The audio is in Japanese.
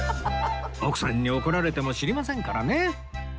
奥さんに怒られても知りませんからね